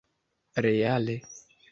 reale